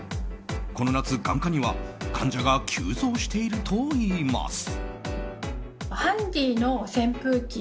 この夏、眼科には患者が急増しているといいます。